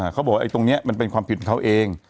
เขาบอกว่าตรงนี้มันเป็นความผิดของเขาเอง